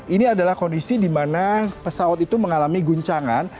ini adalah kondisi di mana pesawat itu mengalami guncangan